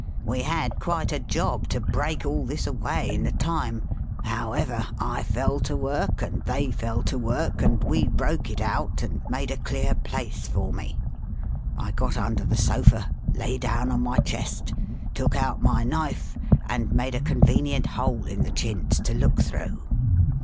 We had quite a job to break all this away in the time ; however, I fell to work, and they fell to work, and Ave broke it out, and made a clear place for me. I got under the sofa, lay down on my chest, took out my knife, and made a convenient hole in the chintz to look through.